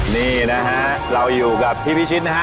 นี่นะฮะเราอยู่กับพี่พิชิตนะฮะ